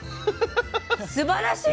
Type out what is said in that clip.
すばらしい！